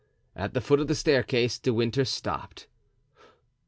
At the foot of the staircase De Winter stopped.